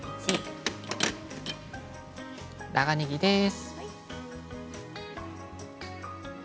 長ねぎです。